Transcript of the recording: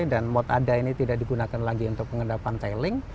dan mod ada ini tidak digunakan lagi untuk pengendapan tiling